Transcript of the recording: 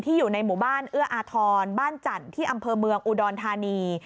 อยู่ในหมู่บ้านเอื้ออาทรบ้านจันทร์ที่อำเภอเมืองอุดรธานี